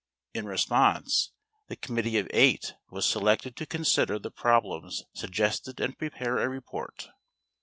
In response, the Committee of Eight was selected to consider the problems suggested and prepare a report.